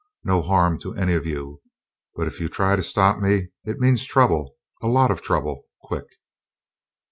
No harm to any of you. But if you try to stop me, it means trouble, a lot of trouble quick!"